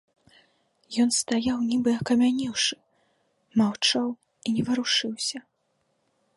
Ён стаяў нібы акамянеўшы, маўчаў і не варушыўся.